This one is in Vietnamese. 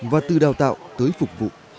và từ đào tạo tới phục vụ